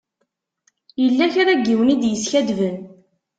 Yella kra n yiwen i d-yeskadben.